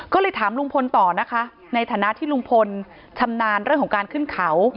ก็เลยถามลุงพลต่อนะคะในฐานะที่ลุงพลชำนาญเรื่องของการขึ้นเขา